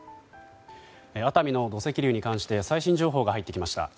熱海の土石流に関して最新情報が入ってきました。